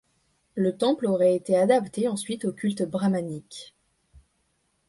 Le temple aurait été adapté ensuite au culte brahmanique.